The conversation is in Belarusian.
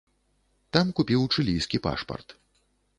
Там купіў чылійскі пашпарт.